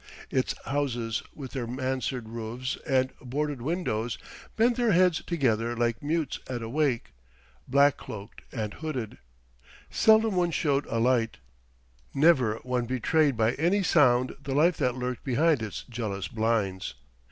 Its houses with their mansard roofs and boarded windows bent their heads together like mutes at a wake, black cloaked and hooded; seldom one showed a light; never one betrayed by any sound the life that lurked behind its jealous blinds.